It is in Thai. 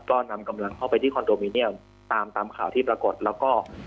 ก็นำกำลังเข้าไปที่คอนโดมิเนียมตามตามข่าวที่ปรากฏแล้วก็